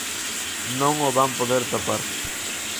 Non o van a poder tapar.